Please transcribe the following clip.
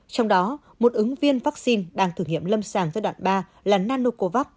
trong đó một ứng viên vaccine đang thử nghiệm lâm sàng giai đoạn ba là nanocovax